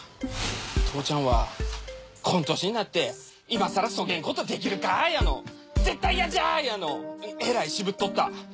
父ちゃんはこん歳になって今さらそげんことできるかやの絶対嫌じゃやのえらい渋っとった。